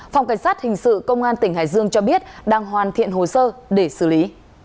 phòng cảnh sát hình sự công an tỉnh hải dương cho biết đang hoàn thiện hồ sơ để xử lý